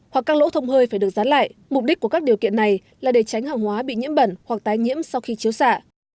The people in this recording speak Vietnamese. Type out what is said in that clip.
hoặc các lỗ thông hơi phải được dán lại mục đích của các điều kiện này là để tránh hàng hóa bị nhiễm bẩn hoặc tái nhiễm sau khi chiếu xạ